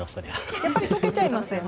やっぱり解けちゃいますよね。